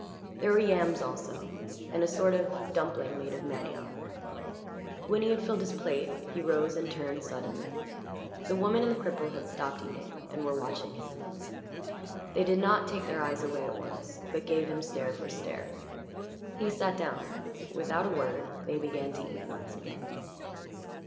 There were yams also and a sort of dumpling made of manioc. When he had filled his plate he rose and turned suddenly; the woman and the cripple had stopped eating and were watching him. They did not take their eyes away at once but gave him stare for stare. He sat down; without a word they began to eat once again.